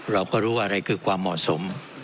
เราก็รู้ว่าอะไรคือความเหมาะสม